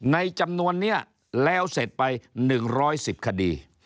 ในจำนวนเนี้ยแล้วเสร็จไปหนึ่งร้อยสิบคดี